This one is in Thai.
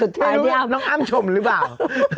เช่นนี้เอาน้องอ้ำชมรึไม่รู้บ้าง